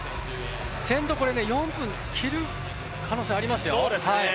先頭、４分切る可能性ありますよ。